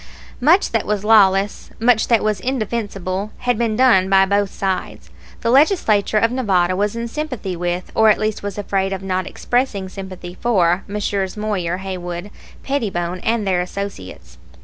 Much that was lawless, much that was indefensible, had been done by both sides. The Legislature of Nevada was in sympathy with, or at least was afraid of not expressing sympathy for, Messrs. Moyer, Haywood, Pettibone, and their associates.